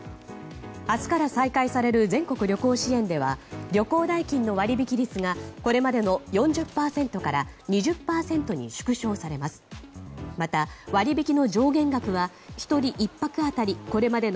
明日から再開される全国旅行支援では旅行代金の割引率がこれまでの４０％から２０％に縮小されます。